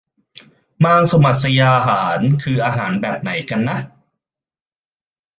มางษมัศยาหาร คืออาหารแบบไหนกันนะ